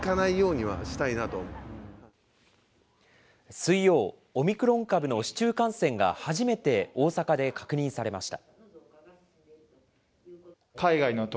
水曜、オミクロン株の市中感染が初めて大阪で確認されました。